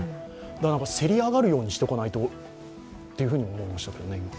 せり上がるようにしておかないとと思いましたね。